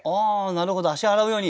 なるほど足洗うように。